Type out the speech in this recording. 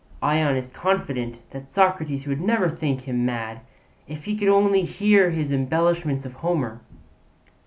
Ion is confident that Socrates would never think him mad if he could only hear his embellishments of Homer.